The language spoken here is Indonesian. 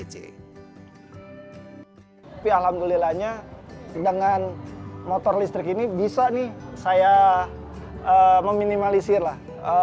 tapi alhamdulillahnya dengan motor listrik ini bisa nih saya meminimalisir lah